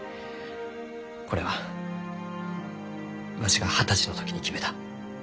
これはわしが二十歳の時に決めたわしの仕事じゃ。